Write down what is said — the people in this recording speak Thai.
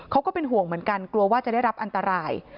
ก็เป็นห่วงเหมือนกันกลัวว่าจะได้รับอันตราย